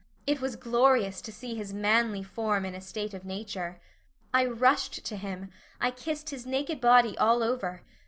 It was glorious to see his manly form in a state of nature. I rushed to him, I kissed his naked body all over.